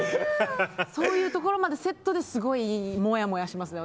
そういうところまでセットですごいもやもやしますね。